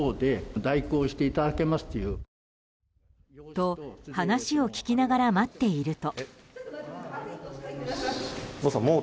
と話を聞きながら待っていると。